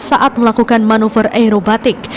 saat melakukan manuver aerobatik